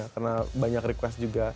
karena banyak request juga